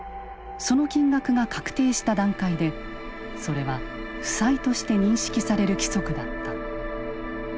その金額が確定した段階でそれは負債として認識される規則だった。